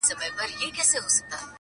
• اوس دېوالونه هم غوږونه لري -